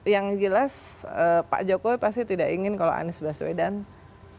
yang jelas pak jokowi pasti tidak ingin kalau anies baswedan